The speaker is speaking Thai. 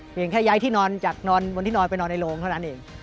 แค่ย้ายที่นอนจากนอนบนที่นอนไปนอนในโรงเท่านั้นเอง